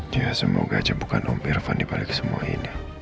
ya semoga aja bukan om irfan dibalik semua ini